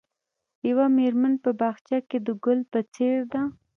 یوه مېرمنه په باغچه کې د ګل په څېر ده.